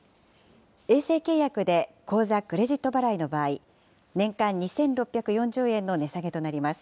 衛星契約で口座・クレジット払いの場合、年間２６４０円の値下げとなります。